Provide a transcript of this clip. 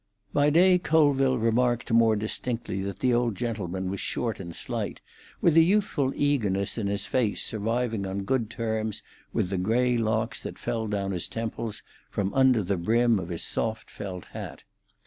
By day Colville remarked more distinctly that the old gentleman was short and slight, with a youthful eagerness in his face surviving on good terms with the grey locks that fell down his temples from under the brim of his soft felt hat.